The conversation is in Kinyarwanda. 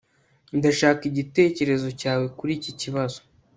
Ndashaka igitekerezo cyawe kuri iki kibazo